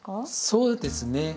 そうですね。